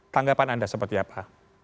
tanggapan anda seperti apa